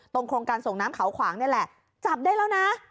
โครงการส่งน้ำเขาขวางนี่แหละจับได้แล้วนะ